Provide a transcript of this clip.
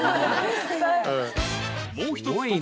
もう一つ